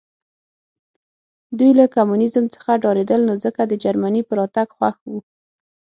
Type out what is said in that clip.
دوی له کمونیزم څخه ډارېدل نو ځکه د جرمني په راتګ خوښ وو